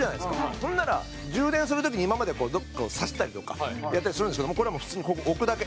ほんなら充電する時に今まではどこかを挿したりとかやったりするんですけどこれはもう普通にここ置くだけ。